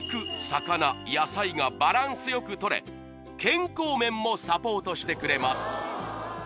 魚野菜がバランスよくとれ健康面もサポートしてくれます